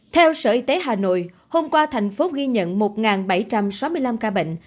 theo sở y tế hà nội hôm qua thành phố ghi nhận một bảy trăm sáu mươi năm ca bệnh